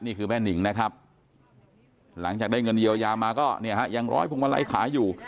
นี่คือแม่นิงนะครับหลังจากได้เงินเยียวยามาก็เนี่ยฮะยังร้อยพวงมาลัยขาอยู่